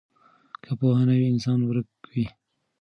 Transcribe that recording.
که پوهه نه وي انسان ورک وي.